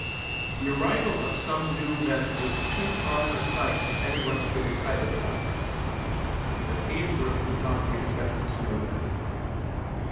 The arrival of some new men was too common a sight for anyone to get excited about — but Ainsworth could not be expected to know that.